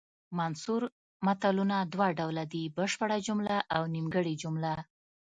منثور متلونه دوه ډوله دي بشپړه جمله او نیمګړې جمله